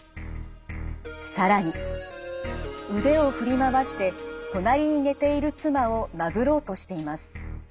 更に腕を振り回して隣に寝ている妻を殴ろうとしています。